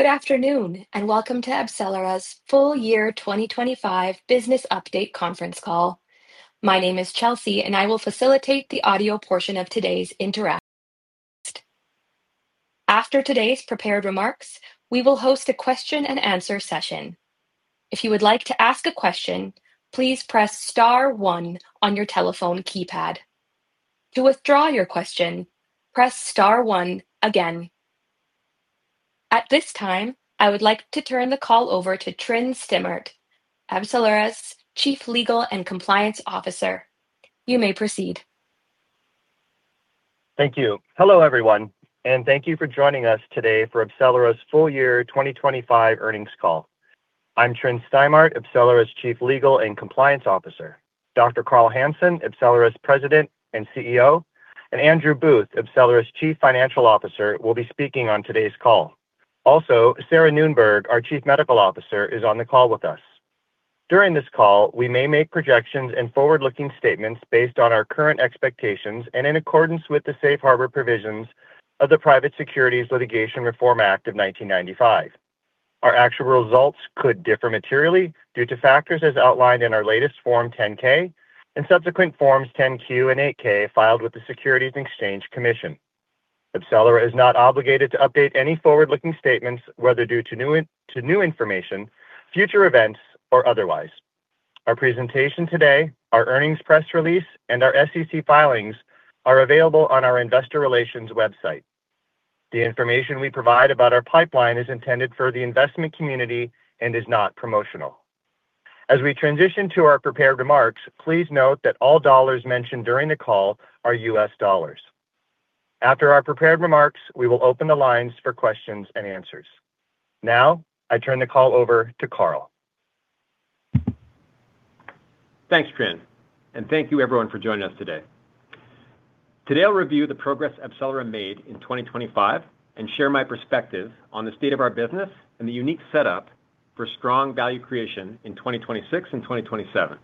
Good afternoon, and welcome to AbCellera's Full Year 2025 Business Update Conference Call. My name is Chelsea, and I will facilitate the audio portion of today's interact. After today's prepared remarks, we will host a question-and-answer session. If you would like to ask a question, please press star one on your telephone keypad. To withdraw your question, press star one again. At this time, I would like to turn the call over to Tryn Stimart, AbCellera's Chief Legal and Compliance Officer. You may proceed. Thank you. Hello, everyone, and thank you for joining us today for AbCellera's Full Year 2025 Earnings Call. I'm Tryn Stimart, AbCellera's Chief Legal and Compliance Officer. Dr. Carl Hansen, AbCellera's President and CEO, and Andrew Booth, AbCellera's Chief Financial Officer, will be speaking on today's call. Also, Sarah Noonberg, our Chief Medical Officer, is on the call with us. During this call, we may make projections and forward-looking statements based on our current expectations and in accordance with the safe harbor provisions of the Private Securities Litigation Reform Act of 1995. Our actual results could differ materially due to factors as outlined in our latest Form 10-K and subsequent Forms 10-Q and 8-K filed with the Securities and Exchange Commission. AbCellera is not obligated to update any forward-looking statements, whether due to new information, future events, or otherwise. Our presentation today, our earnings press release, and our SEC filings are available on our Investor Relations website. The information we provide about our pipeline is intended for the investment community and is not promotional. As we transition to our prepared remarks, please note that all dollars mentioned during the call are U.S. dollars. After our prepared remarks, we will open the lines for questions and answers. Now, I turn the call over to Carl. Thanks, Tryn, thank you everyone for joining us today. Today, I'll review the progress AbCellera made in 2025 and share my perspective on the state of our business and the unique setup for strong value creation in 2026 and 2027.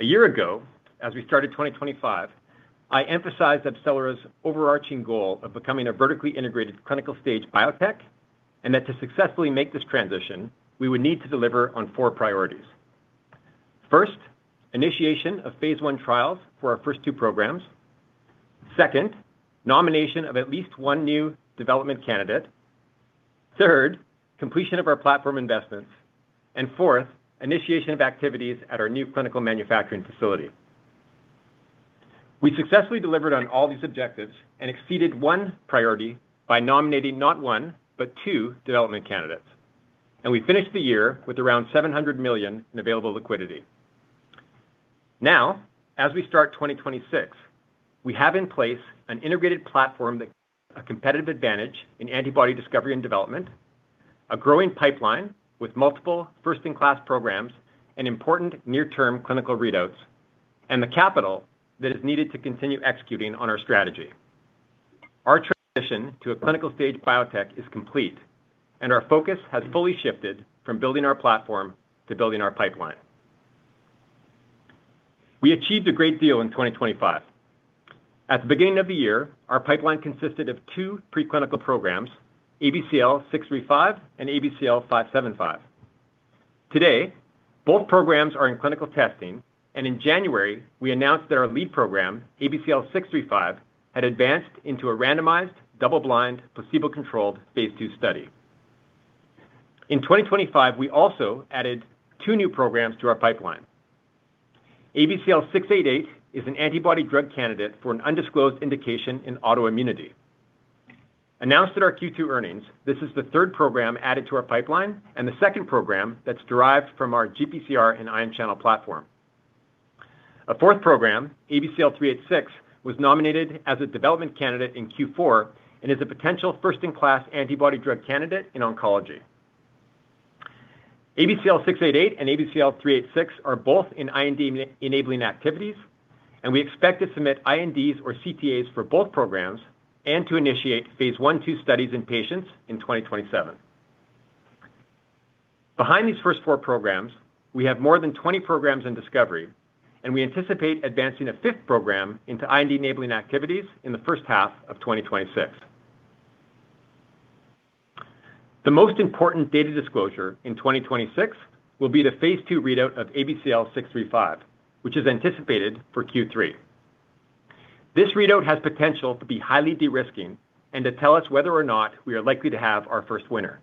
A year ago, as we started 2025, I emphasized AbCellera's overarching goal of becoming a vertically integrated clinical-stage biotech, and that to successfully make this transition, we would need to deliver on four priorities. First, initiation of Phase I trials for our first two programs. Second, nomination of at least one new development candidate. Third, completion of our platform investments. Fourth, initiation of activities at our new clinical manufacturing facility. We successfully delivered on all these objectives and exceeded one priority by nominating not one, but two development candidates, and we finished the year with around $700 million in available liquidity. As we start 2026, we have in place an integrated platform, a competitive advantage in antibody discovery and development, a growing pipeline with multiple first-in-class programs and important near-term clinical readouts, and the capital that is needed to continue executing on our strategy. Our transition to a clinical-stage biotech is complete, and our focus has fully shifted from building our platform to building our pipeline. We achieved a great deal in 2025. At the beginning of the year, our pipeline consisted of two preclinical programs, ABCL635 and ABCL575. Today, both programs are in clinical testing, and in January, we announced that our lead program, ABCL635, had advanced into a randomized, double-blind, phase II study. In 2025, we also added two new programs to our pipeline. ABCL688 is an antibody drug candidate for an undisclosed indication in autoimmunity. Announced at our Q2 earnings, this is the third program added to our pipeline and the second program that's derived from our GPCR and ion channel platform. A fourth program, ABCL386, was nominated as a development candidate in Q4 and is a potential first-in-class antibody drug candidate in oncology. ABCL688 and ABCL386 are both in IND-enabling activities, and we expect to submit INDs or CTAs for both programs and to phase I/II studies in patients in 2027. Behind these first four programs, we have more than 20 programs in discovery, and we anticipate advancing a fifth program into IND-enabling activities in the first half of 2026. The most important data disclosure in 2026 will be the phase II readout of ABCL635, which is anticipated for Q3. This readout has potential to be highly de-risking and to tell us whether or not we are likely to have our first winner.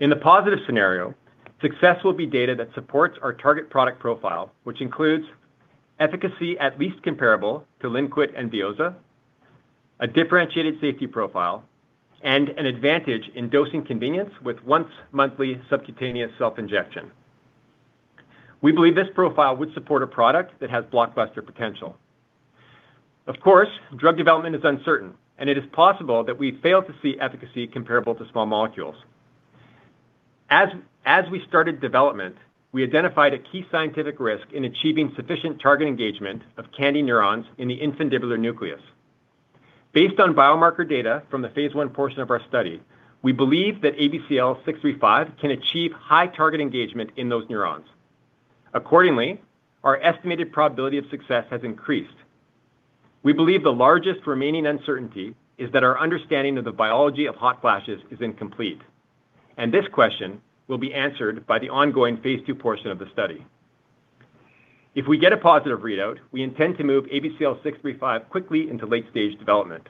In the positive scenario, success will be data that supports our target product profile, which includes efficacy at least comparable to Lynkuet and Veozah, a differentiated safety profile, and an advantage in dosing convenience with once-monthly subcutaneous self-injection. We believe this profile would support a product that has blockbuster potential. Of course, drug development is uncertain, and it is possible that we fail to see efficacy comparable to small molecules. As we started development, we identified a key scientific risk in achieving sufficient target engagement of KNDy neurons in the infundibular nucleus. Based on biomarker data from the phase I portion of our study, we believe that ABCL635 can achieve high target engagement in those neurons. Accordingly, our estimated probability of success has increased. We believe the largest remaining uncertainty is that our understanding of the biology of hot flashes is incomplete. This question will be answered by the ongoing phase II portion of the study. If we get a positive readout, we intend to move ABCL635 quickly into late-stage development.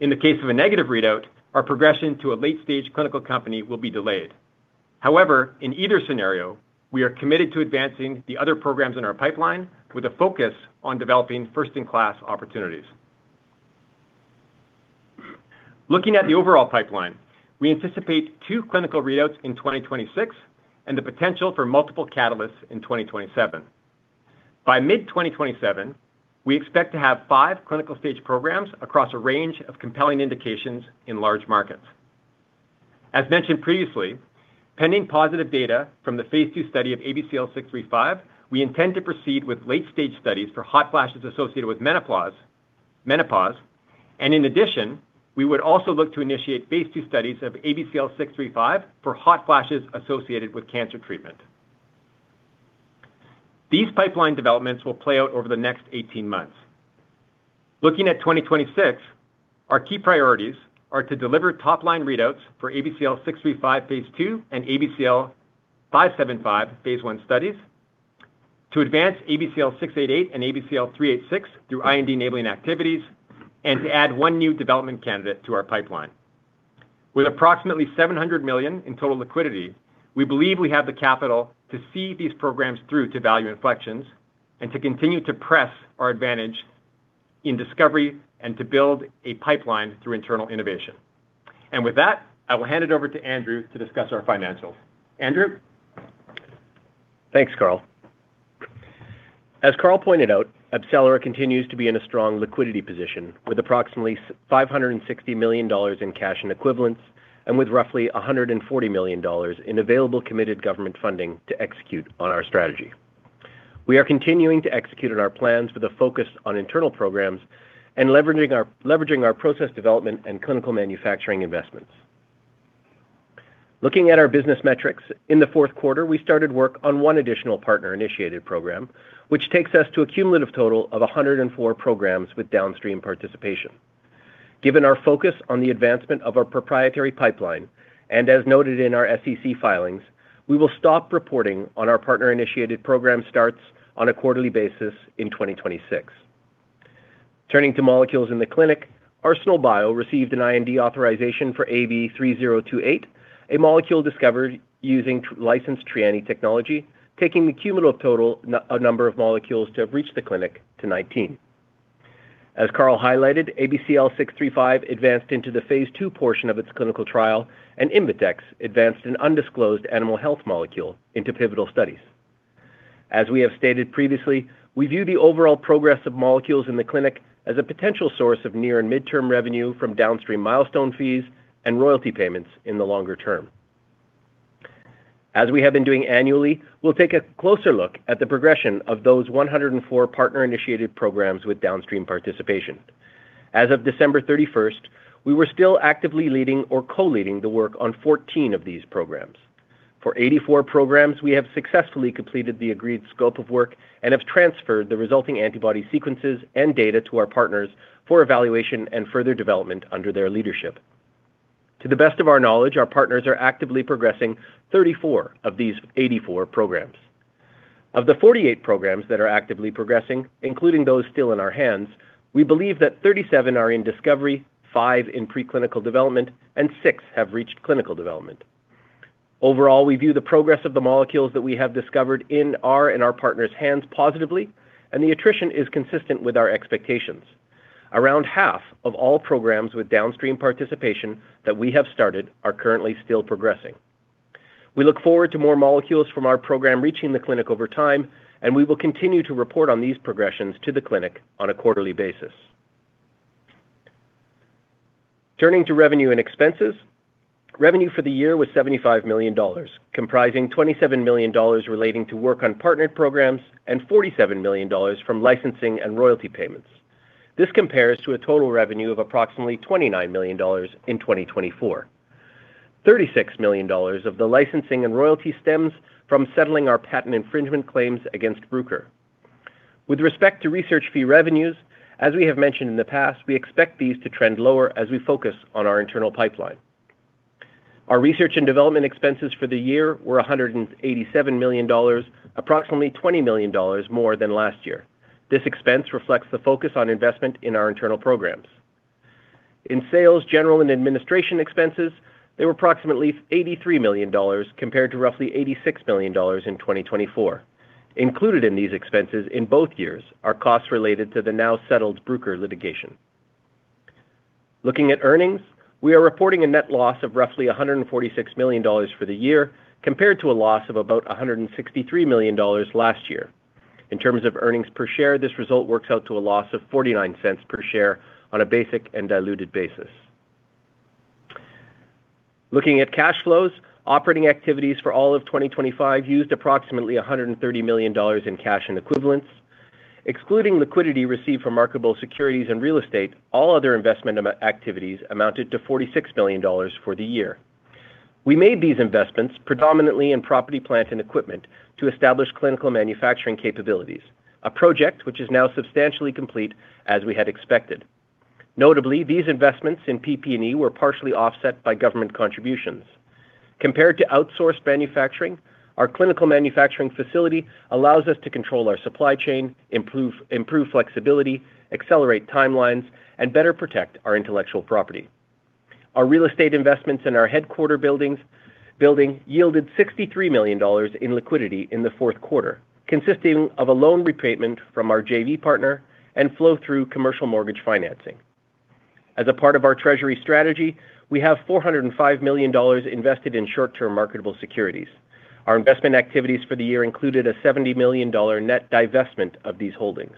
In the case of a negative readout, our progression to a late-stage clinical company will be delayed. However, in either scenario, we are committed to advancing the other programs in our pipeline with a focus on developing first-in-class opportunities. Looking at the overall pipeline, we anticipate two clinical readouts in 2026 and the potential for multiple catalysts in 2027. By mid-2027, we expect to have five clinical stage programs across a range of compelling indications in large markets. As mentioned previously, pending positive data from the phase II study of ABCL635, we intend to proceed with late-stage studies for hot flashes associated with menopause, and in addition, we would also look to initiate phase II studies of ABCL635 for hot flashes associated with cancer treatment. These pipeline developments will play out over the next 18 months. Looking at 2026, our key priorities are to deliver top-line readouts for ABCL635 phase II and ABCL575 phase I studies, to advance ABCL688 and ABCL386 through IND-enabling activities, and to add one new development candidate to our pipeline. With approximately $700 million in total liquidity, we believe we have the capital to see these programs through to value inflections and to continue to press our advantage in discovery and to build a pipeline through internal innovation. With that, I will hand it over to Andrew to discuss our financials. Andrew? Thanks, Carl. As Carl pointed out, AbCellera continues to be in a strong liquidity position with approximately $560 million in cash and equivalents, and with roughly $140 million in available committed government funding to execute on our strategy. We are continuing to execute on our plans with a focus on internal programs and leveraging our process development and clinical manufacturing investments. Looking at our business metrics, in the fourth quarter, we started work on one additional partner-initiated program, which takes us to a cumulative total of 104 programs with downstream participation. Given our focus on the advancement of our proprietary pipeline, and as noted in our SEC filings, we will stop reporting on our partner-initiated program starts on a quarterly basis in 2026. Turning to molecules in the clinic, Arsenal Bio received an IND authorization for AB-3028, a molecule discovered using licensed Trianni technology, taking the cumulative total number of molecules to have reached the clinic to 19. As Carl highlighted, ABCL635 advanced into the phase II portion of its clinical trial, and Invetx advanced an undisclosed animal health molecule into pivotal studies. As we have stated previously, we view the overall progress of molecules in the clinic as a potential source of near and midterm revenue from downstream milestone fees and royalty payments in the longer term. As we have been doing annually, we'll take a closer look at the progression of those 104 partner-initiated programs with downstream participation. As of December 31st, we were still actively leading or co-leading the work on 14 of these programs. For 84 programs, we have successfully completed the agreed scope of work and have transferred the resulting antibody sequences and data to our partners for evaluation and further development under their leadership. To the best of our knowledge, our partners are actively progressing 34 of these 84 programs. Of the 48 programs that are actively progressing, including those still in our hands, we believe that 37 are in discovery, five in preclinical development, and six have reached clinical development. Overall, we view the progress of the molecules that we have discovered in our and our partners' hands positively, and the attrition is consistent with our expectations. Around half of all programs with downstream participation that we have started are currently still progressing. We look forward to more molecules from our program reaching the clinic over time. We will continue to report on these progressions to the clinic on a quarterly basis. Turning to revenue and expenses, revenue for the year was $75 million, comprising $27 million relating to work on partnered programs and $47 million from licensing and royalty payments. This compares to a total revenue of approximately $29 million in 2024. $36 million of the licensing and royalty stems from settling our patent infringement claims against Bruker. With respect to research fee revenues, as we have mentioned in the past, we expect these to trend lower as we focus on our internal pipeline. Our research and development expenses for the year were $187 million, approximately $20 million more than last year. This expense reflects the focus on investment in our internal programs. In sales, general, and administration expenses, they were approximately $83 million, compared to roughly $86 million in 2024. Included in these expenses in both years are costs related to the now settled Bruker litigation. Looking at earnings, we are reporting a net loss of roughly $146 million for the year, compared to a loss of about $163 million last year. In terms of earnings per share, this result works out to a loss of $0.49 per share on a basic and diluted basis. Looking at cash flows, operating activities for all of 2025 used approximately $130 million in cash and equivalents. excluding liquidity received from marketable securities and real estate, all other investment activities amounted to $46 million for the year. We made these investments predominantly in property, plant, and equipment to establish clinical manufacturing capabilities, a project which is now substantially complete as we had expected. These investments in PP&E were partially offset by government contributions. Compared to outsourced manufacturing, our clinical manufacturing facility allows us to control our supply chain, improve flexibility, accelerate timelines, and better protect our intellectual property. Our real estate investments in our headquarter building yielded $63 million in liquidity in the fourth quarter, consisting of a loan repayment from our JV partner and flow through commercial mortgage financing. As a part of our treasury strategy, we have $405 million invested in short-term marketable securities. Our investment activities for the year included a $70 million net divestment of these holdings.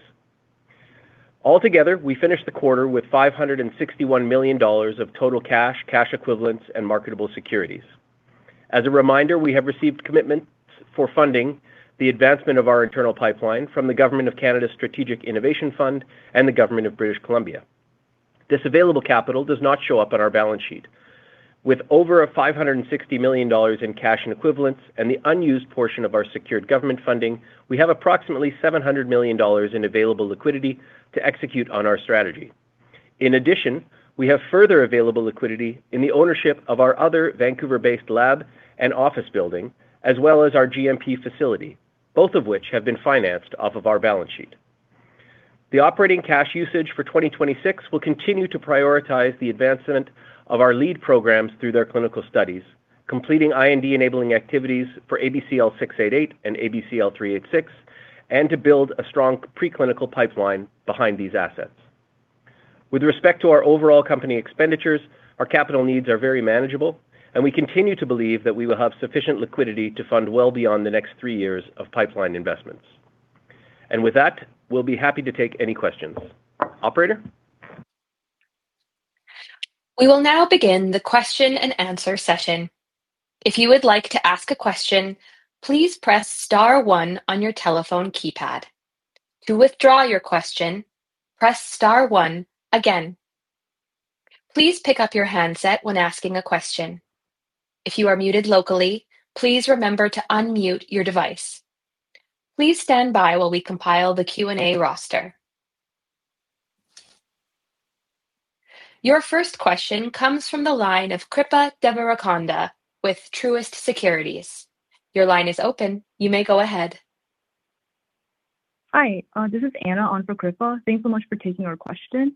Altogether, we finished the quarter with $561 million of total cash equivalents, and marketable securities. As a reminder, we have received commitment for funding the advancement of our internal pipeline from the Government of Canada Strategic Innovation Fund and the Government of British Columbia. This available capital does not show up on our balance sheet. With over a $560 million in cash and equivalents and the unused portion of our secured government funding, we have approximately $700 million in available liquidity to execute on our strategy. In addition, we have further available liquidity in the ownership of our other Vancouver-based lab and office building, as well as our GMP facility, both of which have been financed off of our balance sheet. The operating cash usage for 2026 will continue to prioritize the advancement of our lead programs through their clinical studies, completing IND-enabling activities for ABCL688 and ABCL386, and to build a strong preclinical pipeline behind these assets. With respect to our overall company expenditures, our capital needs are very manageable. We continue to believe that we will have sufficient liquidity to fund well beyond the next three years of pipeline investments. With that, we'll be happy to take any questions. Operator? We will now begin the question-and-answer session. If you would like to ask a question, please press star one on your telephone keypad. To withdraw your question, press star one again. Please pick up your handset when asking a question. If you are muted locally, please remember to unmute your device. Please stand by while we compile the Q&A roster. Your first question comes from the line of Kripa Devarakonda with Truist Securities. Your line is open. You may go ahead. Hi, this is Anna on for Kripa. Thanks so much for taking our question.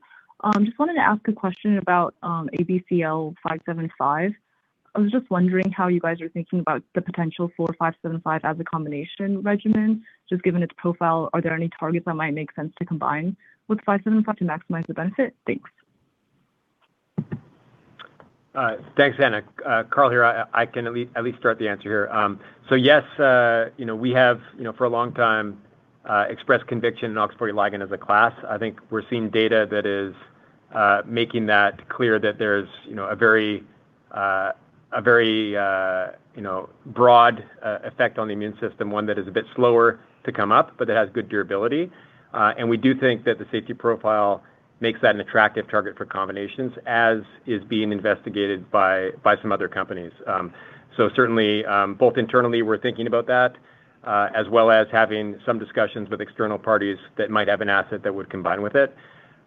Just wanted to ask a question about ABCL575. I was just wondering how you guys are thinking about the potential for ABCL575 as a combination regimen. Just given its profile, are there any targets that might make sense to combine with ABCL575 to maximize the benefit? Thanks. Thanks, Anna. Carl here. I can at least start the answer here. Yes, you know, we have, you know, for a long time, expressed conviction in OX40 ligand as a class. I think we're seeing data that is making that clear that there's, you know, a very, a very, you know, broad effect on the immune system, one that is a bit slower to come up, but that has good durability. We do think that the safety profile makes that an attractive target for combinations, as is being investigated by some other companies. Certainly, both internally, we're thinking about that, as well as having some discussions with external parties that might have an asset that would combine with it.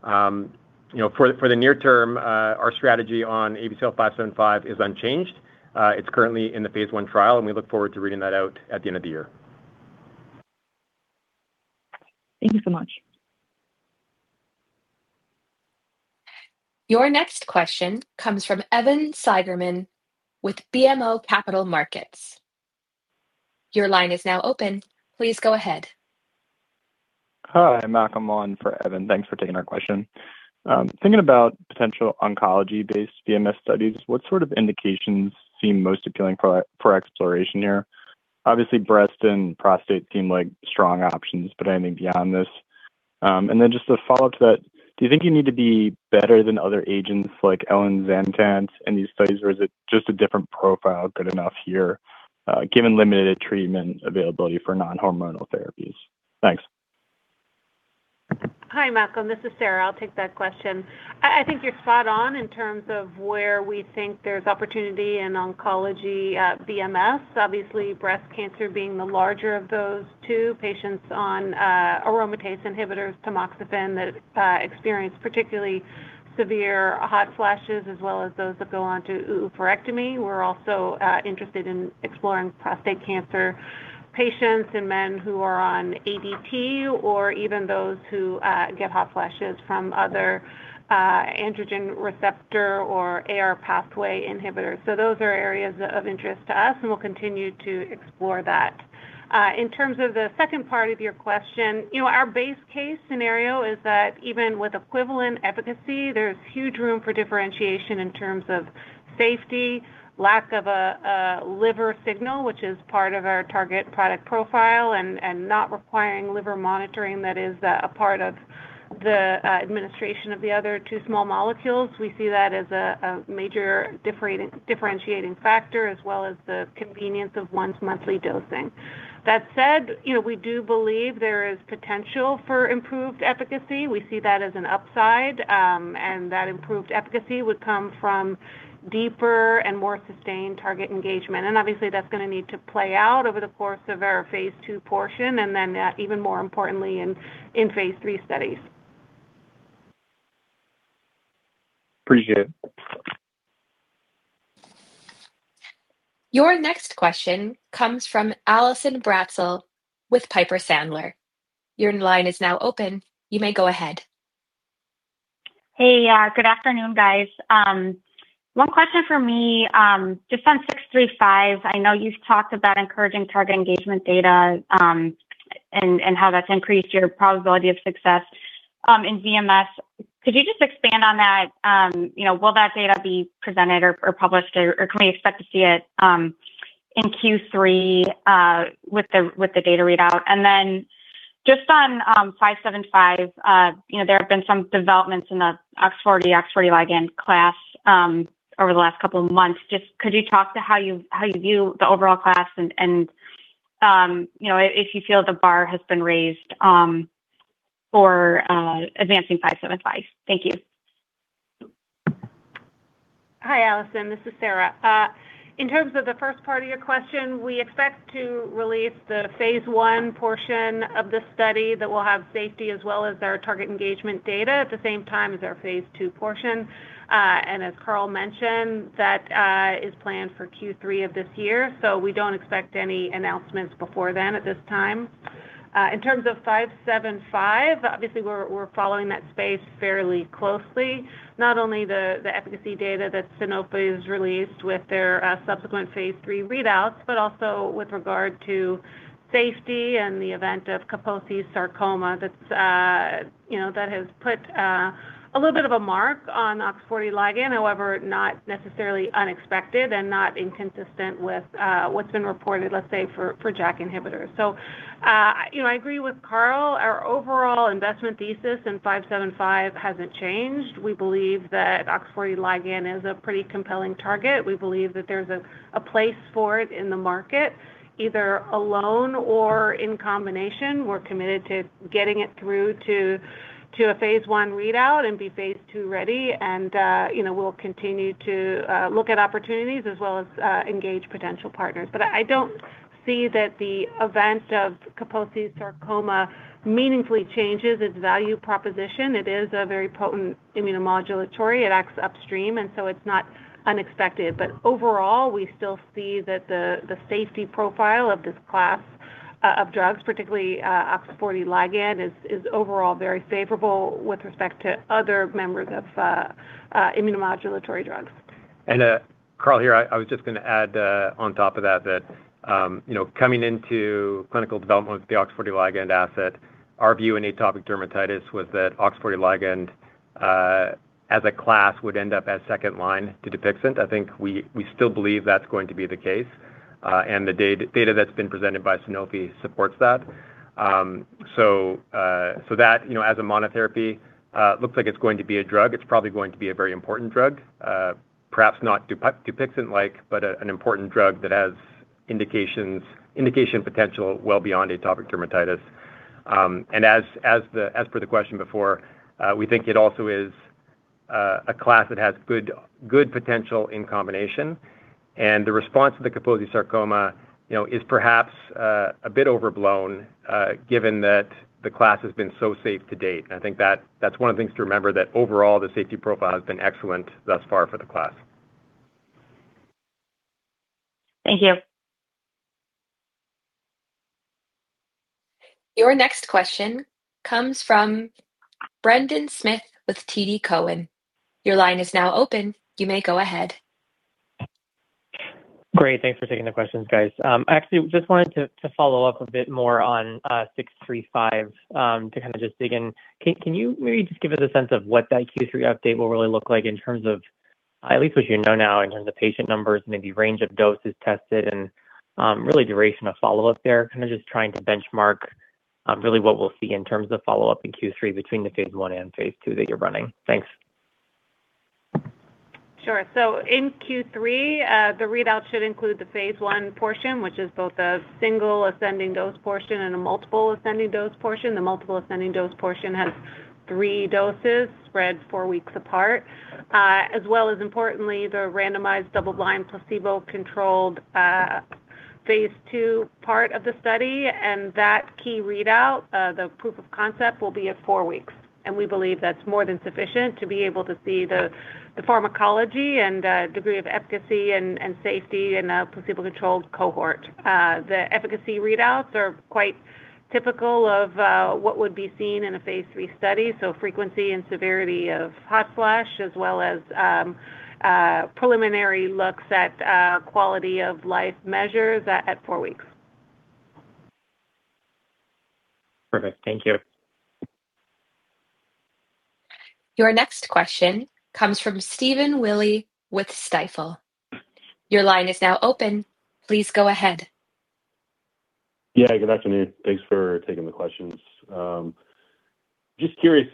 You know, for the near term, our strategy on ABCL575 is unchanged. It's currently in the phase I trial. We look forward to reading that out at the end of the year. Thank you so much. Your next question comes from Evan Seigerman with BMO Capital Markets. Your line is now open. Please go ahead. Hi, Malcolm on for Evan. Thanks for taking our question. Thinking about potential oncology-based VMS studies, what sort of indications seem most appealing for exploration here? Obviously, breast and prostate seem like strong options, but anything beyond this. Then just a follow-up to that, do you think you need to be better than other agents like Elinzanetant in these studies, or is it just a different profile good enough here, given limited treatment availability for non-hormonal therapies? Thanks. Hi, Malcolm. This is Sarah. I'll take that question. I think you're spot on in terms of where we think there's opportunity in oncology, VMS, obviously breast cancer being the larger of those two, patients on aromatase inhibitors, tamoxifen, that experience particularly severe hot flashes, as well as those that go on to oophorectomy. We're also interested in exploring prostate cancer patients in men who are on ADT or even those who get hot flashes from other androgen receptor or AR pathway inhibitors. Those are areas of interest to us, and we'll continue to explore that. In terms of the second part of your question, you know, our base case scenario is that even with equivalent efficacy, there's huge room for differentiation in terms of safety, lack of a liver signal, which is part of our target product profile, and not requiring liver monitoring that is a part of the administration of the other two small molecules, we see that as a major differentiating factor, as well as the convenience of once-monthly dosing. That said, you know, we do believe there is potential for improved efficacy. We see that as an upside, and that improved efficacy would come from deeper and more sustained target engagement. Obviously, that's gonna need to play out over the course of our phase two portion, and then, even more importantly, in phase III studies. Appreciate it. Your next question comes from Allison Bratzel with Piper Sandler. Your line is now open. You may go ahead. Hey, good afternoon, guys. One question for me, just on ABCL635. I know you've talked about encouraging target engagement data, and how that's increased your probability of success in VMS. Could you just expand on that? You know, will that data be presented or published, or can we expect to see it in Q3 with the data readout? Just on ABCL575, you know, there have been some developments in the OX40 ligand class over the last couple of months. Just could you talk to how you view the overall class and, you know, if you feel the bar has been raised for advancing ABCL575? Thank you. Hi, Allison. This is Sarah. In terms of the first part of your question, we expect to release the phase I portion of the study that will have safety as well as our target engagement data at the same time as our phase II portion. As Carl mentioned, that is planned for Q3 of this year, so we don't expect any announcements before then at this time. In terms of ABCL575, obviously, we're following that space fairly closely. Not only the efficacy data that Sanofi's released with their subsequent phase III readouts, but also with regard to safety and the event of Kaposi's sarcoma. That's, you know, that has put a little bit of a mark on OX40 ligand, however, not necessarily unexpected and not inconsistent with what's been reported, let's say, for JAK inhibitors. You know, I agree with Carl. Our overall investment thesis in ABCL575 hasn't changed. We believe that OX40 ligand is a pretty compelling target. We believe that there's a place for it in the market, either alone or in combination. We're committed to getting it through to a phase I readout and be phase II-ready. You know, we'll continue to look at opportunities as well as engage potential partners. I don't see that the event of Kaposi's sarcoma meaningfully changes its value proposition. It is a very potent immunomodulatory. It acts upstream, it's not unexpected. Overall, we still see that the safety profile of this class of drugs, particularly OX40 ligand, is overall very favorable with respect to other members of immunomodulatory drugs. Carl here, I was just gonna add on top of that, you know, coming into clinical development with the OX40 ligand asset, our view in atopic dermatitis was that OX40 ligand, as a class, would end up as second line to Dupixent. I think we still believe that's going to be the case, and the data that's been presented by Sanofi supports that. That, you know, as a monotherapy, looks like it's going to be a drug. It's probably going to be a very important drug, perhaps not Dupixent-like, but an important drug that has indication potential well beyond atopic dermatitis. As per the question before, we think it also is a class that has good potential in combination, and the response to the Kaposi's sarcoma, you know, is perhaps a bit overblown, given that the class has been so safe to date. I think that's one of the things to remember, that overall, the safety profile has been excellent thus far for the class. Thank you. Your next question comes from Brendan Smith with TD Cowen. Your line is now open. You may go ahead. Great. Thanks for taking the questions, guys. I actually just wanted to follow up a bit more on ABCL635, to kind of just dig in. Can you maybe just give us a sense of what that Q3 update will really look like in terms of at least what you know now, in terms of patient numbers, maybe range of doses tested, and really duration of follow-up there? Kind of just trying to benchmark really what we'll see in terms of follow-up in Q3 between the phase I and phase II that you're running. Thanks. Sure. In Q3, the readout should include the phase I portion, which is both a single ascending dose portion and a multiple ascending dose portion. The multiple ascending dose portion has three doses spread four weeks apart, as well as importantly, the randomized double-blind, placebo-controlled, phase II part of the study. That key readout, the proof of concept, will be at four weeks. We believe that's more than sufficient to be able to see the pharmacology and degree of efficacy and safety in a placebo-controlled cohort. The efficacy readouts are quite typical of what would be seen in a phase III study, so frequency and severity of hot flash, as well as preliminary looks at quality of life measures at four weeks. Perfect. Thank you. Your next question comes from Stephen Willey with Stifel. Your line is now open. Please go ahead. Yeah, good afternoon. Thanks for taking the questions. Just curious,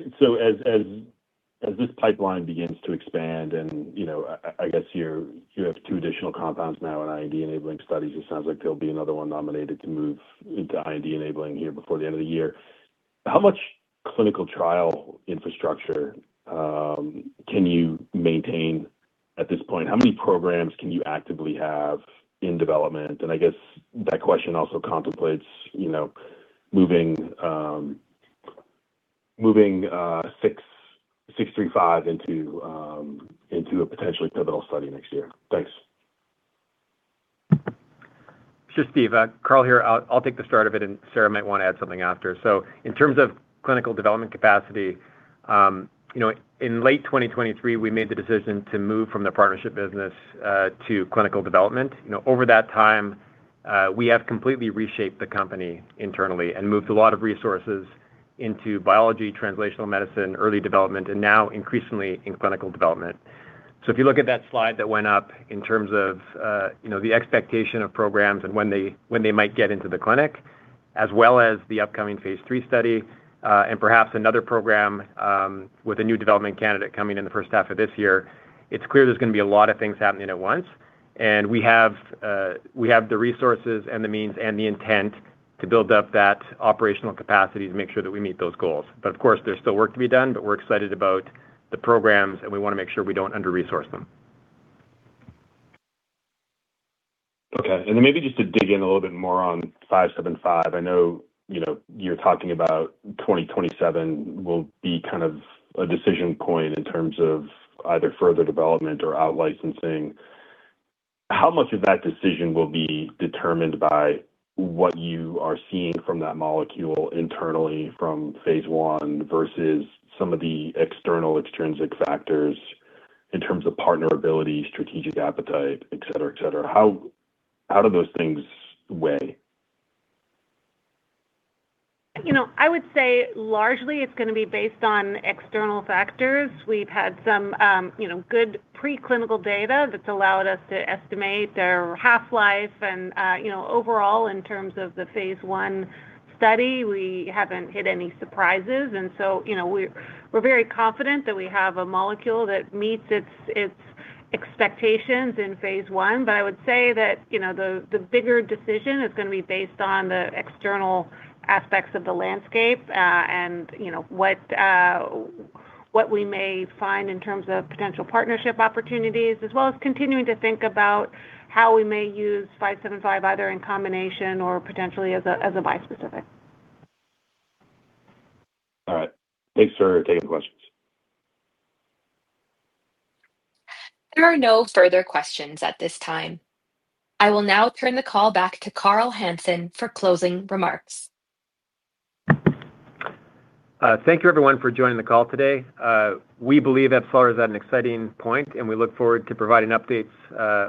as this pipeline begins to expand and, you know, I guess you have two additional compounds now in IND-enabling studies, it sounds like there'll be another one nominated to move into IND-enabling here before the end of the year. How much clinical trial infrastructure can you maintain at this point? How many programs can you actively have in development? I guess that question also contemplates, you know, moving ABCL635 into a potentially pivotal study next year. Thanks. Sure, Steve. Carl here. I'll take the start of it. Sarah might want to add something after. In terms of clinical development capacity, you know, in late 2023, we made the decision to move from the partnership business to clinical development. You know, over that time, we have completely reshaped the company internally and moved a lot of resources into biology, translational medicine, early development, and now increasingly in clinical development. If you look at that slide that went up in terms of, you know, the expectation of programs and when they might get into the clinic, as well as the upcoming phase III study, and perhaps another program with a new development candidate coming in the first half of this year, it's clear there's going to be a lot of things happening at once. We have the resources and the means and the intent to build up that operational capacity to make sure that we meet those goals. Of course, there's still work to be done, but we're excited about the programs, and we want to make sure we don't under-resource them. Okay. Maybe just to dig in a little bit more on ABCL575. I know, you know, you're talking about 2027 will be kind of a decision point in terms of either further development or out-licensing. How much of that decision will be determined by what you are seeing from that molecule internally from phase I versus some of the external extrinsic factors in terms of partner ability, strategic appetite, et cetera, et cetera? How do those things weigh? You know, I would say largely it's going to be based on external factors. We've had some, you know, good preclinical data that's allowed us to estimate their half-life and, you know, overall, in terms of the phase I study, we haven't hit any surprises. We're very confident that we have a molecule that meets its expectations in phase I. I would say that, you know, the bigger decision is going to be based on the external aspects of the landscape, and, you know, what we may find in terms of potential partnership opportunities, as well as continuing to think about how we may use ABCL575, either in combination or potentially as a bispecific. All right. Thanks for taking the questions. There are no further questions at this time. I will now turn the call back to Carl Hansen for closing remarks. Thank you, everyone, for joining the call today. We believe we are at an exciting point, and we look forward to providing updates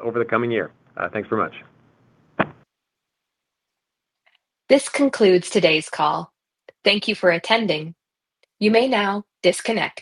over the coming year. Thanks very much. This concludes today's call. Thank you for attending. You may now disconnect.